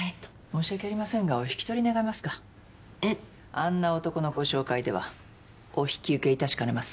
あんな男のご紹介ではお引き受けいたしかねます。